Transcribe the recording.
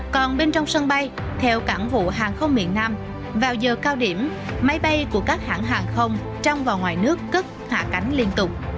còn bên trong sân bay theo cảng vụ hàng không miền nam vào giờ cao điểm máy bay của các hãng hàng không trong và ngoài nước cất hạ cánh liên tục